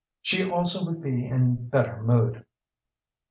She also would be in better mood.